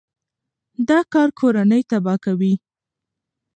دا کار کورنۍ تباه کوي.